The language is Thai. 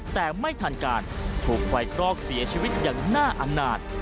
แต่ไม่ทันการถูกไฟคลอกเสียชีวิตอย่างน่าอำนาจ